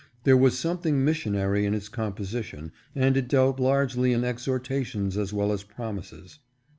There was something missionary in its composition, and it dealt largely in exhortations as well as promises.